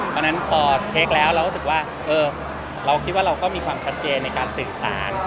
เพราะฉะนั้นพอเช็คแล้วเรารู้สึกว่าเราคิดว่าเราก็มีความชัดเจนในการสื่อสาร